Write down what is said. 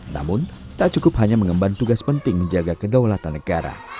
namun tak cukup hanya mengemban tugas penting menjaga kedaulatan negara